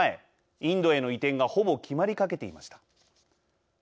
インドへの移転がほぼ決まりかけていました。